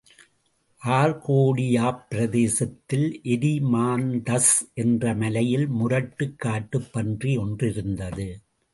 ஆர்க்கேடியாப் பிரதேசத்தில் எரிமாந்தஸ் என்ற மலையில் முரட்டுக் காட்டுப் பன்றி ஒன்றிருந்தது.